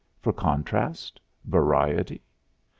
For contrast, variety?